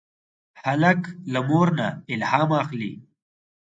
هلک له مور نه الهام اخلي.